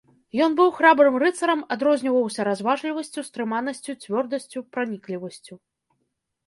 Ён быў храбрым рыцарам, адрозніваўся разважлівасцю, стрыманасцю, цвёрдасць, праніклівасцю.